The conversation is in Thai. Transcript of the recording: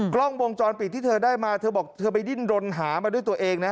กล้องวงจรปิดที่เธอได้มาเธอบอกเธอไปดิ้นรนหามาด้วยตัวเองนะ